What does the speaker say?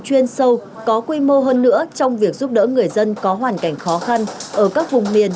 chuyên sâu có quy mô hơn nữa trong việc giúp đỡ người dân có hoàn cảnh khó khăn ở các vùng miền